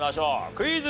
クイズ。